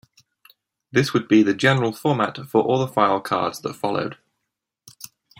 This would be the general format for all the file cards that followed.